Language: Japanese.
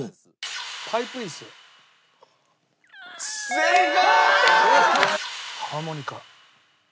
正解！